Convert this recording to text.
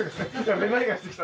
目まいがしてきた。